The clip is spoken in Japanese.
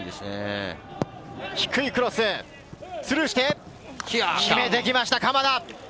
低いクロス、スルーして決めてきました鎌田。